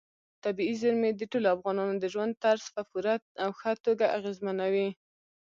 طبیعي زیرمې د ټولو افغانانو د ژوند طرز په پوره او ښه توګه اغېزمنوي.